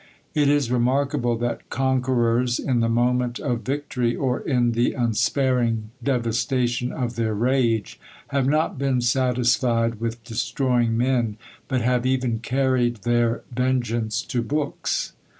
It is remarkable that conquerors, in the moment of victory, or in the unsparing devastation of their rage, have not been satisfied with destroying men, but have even carried their vengeance to books.